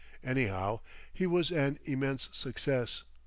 Anyhow, he was an immense success.